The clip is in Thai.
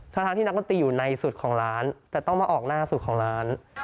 ทั้งที่นักดนตรีอยู่ในสุดของร้านแต่ต้องมาออกหน้าสุดของร้าน